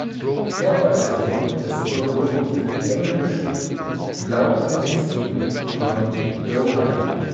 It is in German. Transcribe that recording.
Er war der Sohn des berühmten englischen Lautenisten John Dowland.